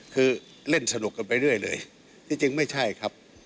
คือเล่นสนุกกันไปเรื่อยเลยที่จริงไม่ใช่ครับ